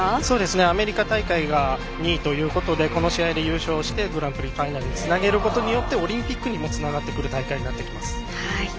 アメリカ大会が２位ということでこの試合で優勝してグランプリファイナルにつなげることによってオリンピックにもつながってくる大会になってきます。